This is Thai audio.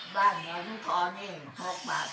บ้านหลังทอนี่๖บาท